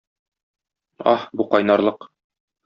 Аһ, бу кайнарлык!